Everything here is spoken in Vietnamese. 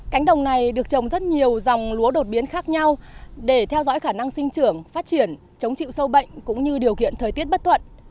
cánh đồng này được trồng rất nhiều dòng lúa đột biến khác nhau để theo dõi khả năng sinh trưởng phát triển chống chịu sâu bệnh cũng như điều kiện thời tiết bất thuận